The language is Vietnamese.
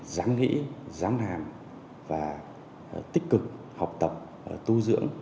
dáng nghĩ dáng hàm và tích cực học tập tu dưỡng